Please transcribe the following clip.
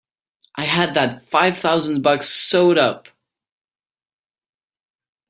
I had that five thousand bucks sewed up!